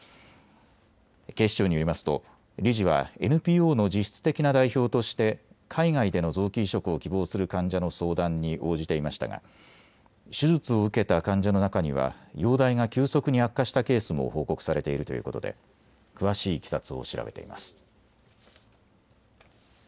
警視庁によりますと理事はＮＰＯの実質的な代表として海外での臓器移植を希望する患者の相談に応じていましたが手術を受けた患者の中には容体が急速に悪化したケースも報告されているということで詳しいいきさつを調べています。